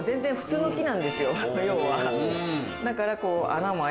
要はだからこう。